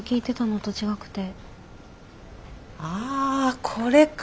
あこれか。